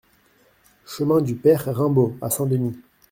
Chemin du Pere Raimbault à Saint-Denis